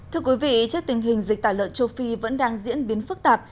thưa quý vị trước tình hình dịch tả lợn châu phi vẫn đang diễn biến phức tạp